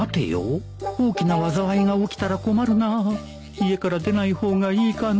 家から出ない方がいいかな。